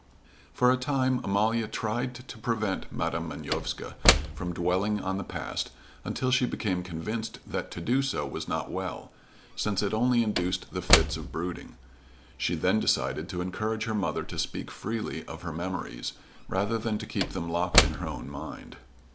For a time Amalia tried to prevent Madam Manovska from dwelling on the past, until she became convinced that to do so was not well, since it only induced the fits of brooding. She then decided to encourage her mother to speak freely of her memories, rather than to keep them locked in her own mind.